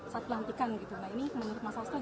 saat pelantikan gitu nah ini menurut mas hasto